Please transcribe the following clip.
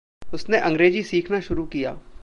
उसने अंग्रेज़ी सीखना शुरू किया।